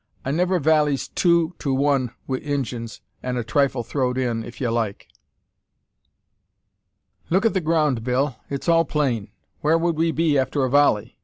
I never valleys two to one wi' Injuns, an' a trifle throw'd in, if ye like." "Look at the ground, Bill! It's all plain. Whar would we be after a volley?